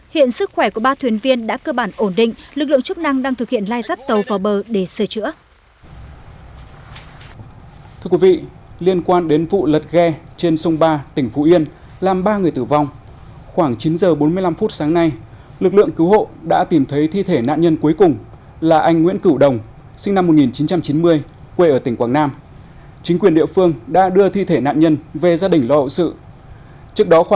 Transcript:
hiện sức khỏe của ba thuyền viên đã cơ bản ổn định lực lượng chức năng đang thực hiện lai rắt tàu vào bờ để sửa chữa